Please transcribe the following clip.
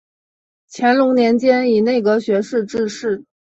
乾隆年间以内阁学士致仕。